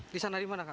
di sana di mana kak